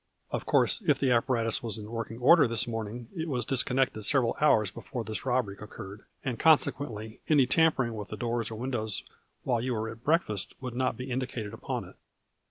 Of course, if the apparatus was in working order this morning, it was dis connected several hours before this robbery oc curred, and consequently any tampering with the doors or windows while you were at break fast would not be indicated upon it."